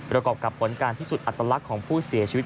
ประกอบกับผลการพิสูจน์อัตลักษณ์ของผู้เสียชีวิต